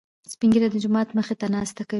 سپين ږيري د جومات مخې ته ناسته کوي.